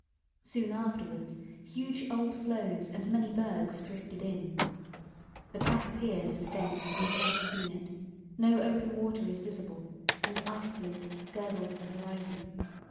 Soon afterwards huge old floes and many bergs drifted in. "The pack appears as dense as we have ever seen it. No open water is visible, and 'ice blink' girdles the horizon.